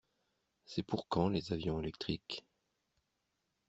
C'est pour quand les avions électriques?